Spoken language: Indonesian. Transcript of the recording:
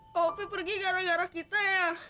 kak opi pergi gara gara kita ya